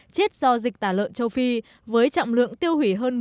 chết do dịch tả lợn châu phi với trọng lượng tiêu hủy hơn một mươi hai bảy tấn